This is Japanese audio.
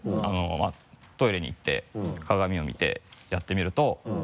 まぁトイレに行って鏡を見てやってみると。